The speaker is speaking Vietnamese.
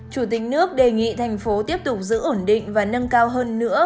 chủ tịch nước đề nghị thành phố tiếp tục giữ ổn định và nâng cao hơn nữa